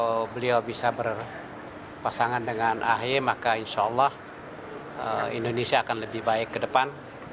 kalau beliau bisa berpasangan dengan ahy maka insya allah indonesia akan lebih baik ke depan